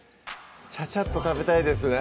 チャチャっと食べたいですね